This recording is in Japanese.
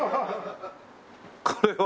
これは。